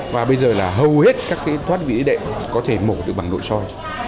và bây giờ là hầu hết các thuật vĩ đệ có thể mổ được bằng nội sôi